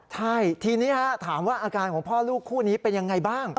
ใช่ทีนี้ถามว่าอาการของพ่อลูกคู่นี้เป็นยังไงบ้าง